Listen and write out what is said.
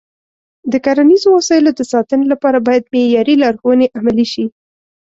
د کرنیزو وسایلو د ساتنې لپاره باید معیاري لارښوونې عملي شي.